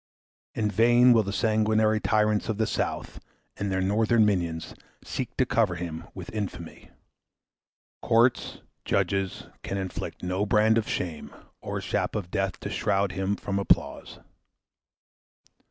In vain will the sanguinary tyrants of the South, and their Northern minions, seek to cover him with infamy— (¶ 3) Courts, judges can inflict no brand of shame, Or shap of death, to shroud him from applause.